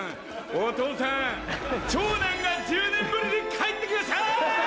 お父さん長男が１０年ぶりに帰って来ました！